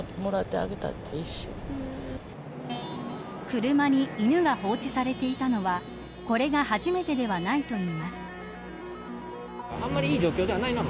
車に犬が放置されていたのはこれが初めてではないといいます。